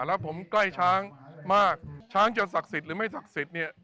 แล้วผมใกล้ช้างมากช้างจะศักดิ์สิทธิ์หรือไม่ศักดิ์สิทธิ์เนี่ย